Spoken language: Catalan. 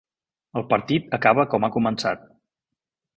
El partit acaba com ha començat.